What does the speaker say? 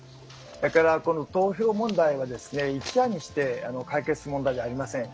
だからこの投票問題はですね一夜にして解決する問題じゃありません。